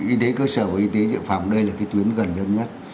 y tế cơ sở và y tế dự phòng đây là cái tuyến gần nhất